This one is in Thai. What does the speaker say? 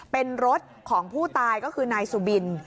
เป็นรถของผู้ตายก็คือนายสุบิน